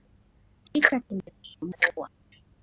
Kichwa kimekusumbua.